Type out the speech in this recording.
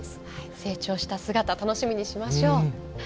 成長した姿を楽しみにしましょう。